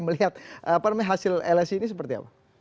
melihat apa namanya hasil lsi ini seperti apa